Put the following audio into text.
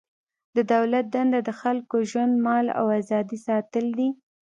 د دولت دنده د خلکو ژوند، مال او ازادي ساتل دي.